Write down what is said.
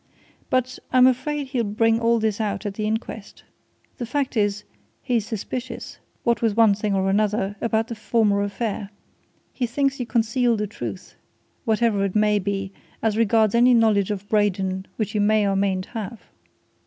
"But I'm afraid he'll bring all this out at the inquest. The fact is he's suspicious what with one thing or another about the former affair. He thinks you concealed the truth whatever it may be as regards any knowledge of Braden which you may or mayn't have."